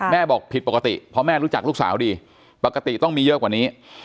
บอกผิดปกติเพราะแม่รู้จักลูกสาวดีปกติต้องมีเยอะกว่านี้